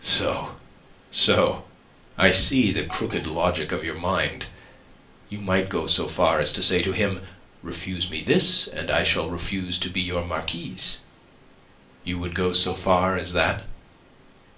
"So, so. I see the crooked logic of your mind. You might go so far as to say to him: 'Refuse me this, and I shall refuse to be your marquise.' You would go so far as that?"